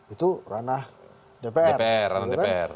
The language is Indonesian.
itu ranah dpr